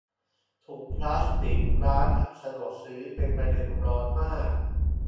ถุงพลาสติกร้านสะดวกซื้อเป็นประเด็นร้อนมาก